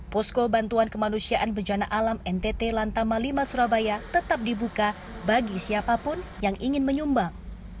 posko bantuan kemanusiaan bencana alam ntt lantama v surabaya tetap dibuka bagi siapapun yang ingin menyumbang